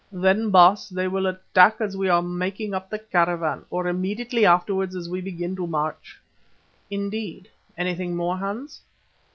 "Then, Baas, they will attack as we are making up the caravan, or immediately afterwards as we begin to march." "Indeed. Anything more, Hans?"